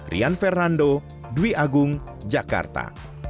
rian fernando dwi agung jakarta